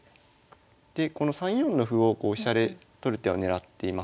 でこの３四の歩を飛車で取る手を狙っています。